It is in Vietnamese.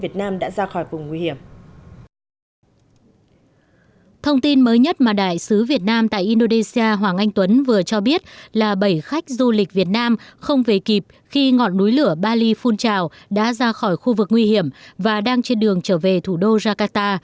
thông tin mới nhất mà đại sứ việt nam tại indonesia hoàng anh tuấn vừa cho biết là bảy khách du lịch việt nam không về kịp khi ngọn núi lửa bali phun trào đã ra khỏi khu vực nguy hiểm và đang trên đường trở về thủ đô jakarta